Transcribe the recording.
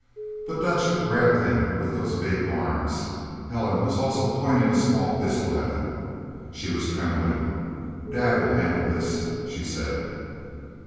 But Dutch grabbed him in those big arms. Helen was also pointing a small pistol at him. She was trembling. "Dad will handle this," she said.